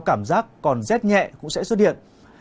cảm giác còn rét nhẹ cũng sẽ xuất hiện